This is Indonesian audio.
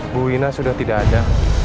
bawina sudah tidak ada